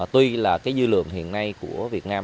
tuy là dư lượng hiện nay của việt nam